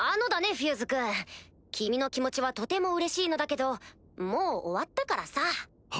フューズ君君の気持ちはとてもうれしいのだけどもう終わったからさ。は？